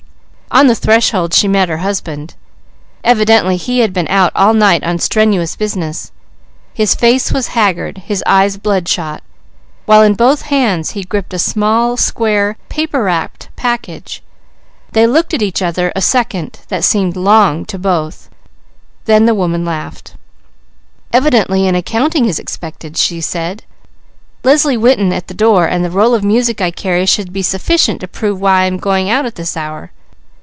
On the threshold she met her husband. Evidently he had been out all night on strenuous business. His face was haggard, his eyes bloodshot, while in both hands he gripped a small, square paper wrapped package. They looked at each other a second that seemed long to both, then the woman laughed. "Evidently an accounting is expected," she said. "Leslie Winton at the door and the roll of music I carry should be sufficient to prove why I am going out at this hour.